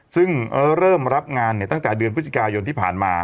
ซึ่งเริ่มรับงานตั้งแต่เดือนพฤศจิกายนที่ผ่านมา